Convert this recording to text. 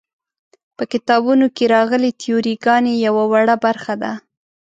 په کتابونو کې راغلې تیوري ګانې یوه وړه برخه ده.